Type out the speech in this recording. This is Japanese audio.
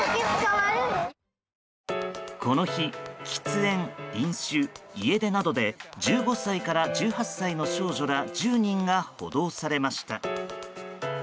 この日喫煙、飲酒、家出などで１５歳から１８歳の少女ら１０人が補導されました。